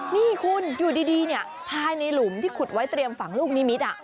นี่คุณอยู่ดีภายในหลุมที่ขุดไว้เตรียมฝังลูกนิมิตร